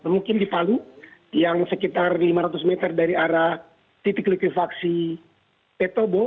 mungkin di palu yang sekitar lima ratus meter dari arah titik likuifaksi petobo